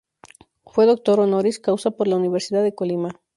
Fue doctor honoris causa por la Universidad de Colima.